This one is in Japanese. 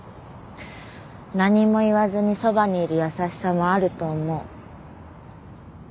何も言わずにそばにいる優しさもあると思う。